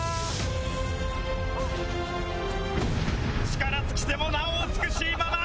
力尽きてもなお美しいまま！